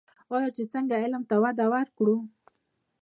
آیا چې څنګه علم ته وده ورکړو؟